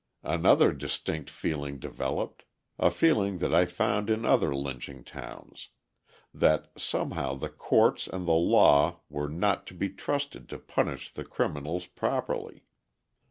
Another distinct feeling developed a feeling that I found in other lynching towns: that somehow the courts and the law were not to be trusted to punish the criminals properly.